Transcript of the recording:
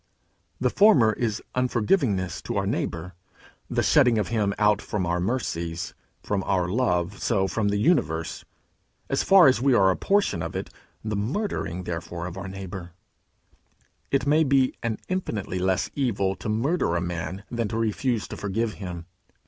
The former is unforgivingness to our neighbour; the shutting of him out from our mercies, from our love so from the universe, as far as we are a portion of it the murdering therefore of our neighbour. It may be an infinitely less evil to murder a man than to refuse to forgive him.